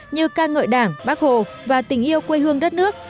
như ca ngợi đảng bác hồ và tình yêu quê hương đất nước